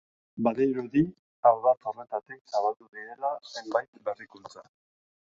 Badirudi ardatz horretatik zabaldu direla zenbait berrikuntza.